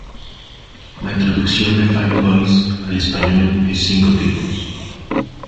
La traducción de "Five Guys" al español es "cinco tipos".